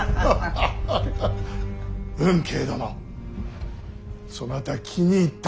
運慶殿そなた気に入った。